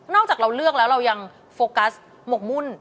จากเราเลือกแล้วเรายังโฟกัสหมกมุ่น